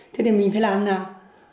thế thì mình phải làm thế nào